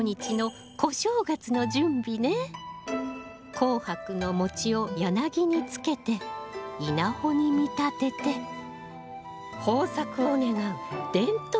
紅白の餅を柳につけて稲穂に見立てて豊作を願う伝統行事。